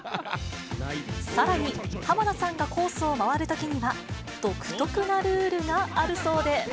さらに、浜田さんがコースを回るときには、独特なルールがあるそうで。